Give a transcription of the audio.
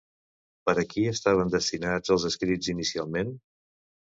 Per a qui estaven destinats els escrits inicialment?